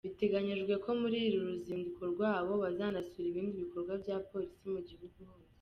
Biteganyijwe ko muri uru ruzinduko rwabo bazanasura ibindi bikorwa bya Polisi mu gihugu hose.